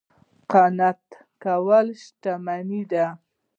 قناعت کول شتمني ده